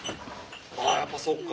あやっぱそっか。